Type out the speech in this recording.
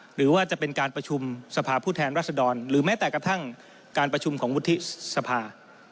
หรือว่าจะเป็นการประชุมสภาพผู้แทนรัศดรหรือแม้แต่กระทั่งการประชุมของวุฒิสภา